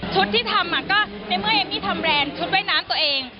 ที่ทำก็ในเมื่อเอมมี่ทำแรนด์ชุดว่ายน้ำตัวเอง